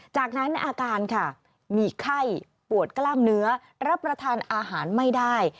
จากนั้นอาการค่ะมีไข้ปวดกล้ามเนื้อรับประทานอาหารไม่ได้